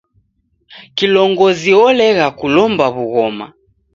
Kilongozi olegha kulomba w'ughoma.